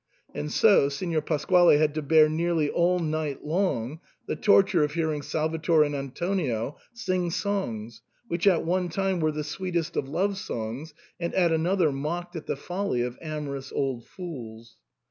And so Signor Pasquale had to bear nearly all night long the torture of hearing Salvator and Antonio sing songs which at one time were the sweetest of love songs and at another mocked at the folly of amorous old fools.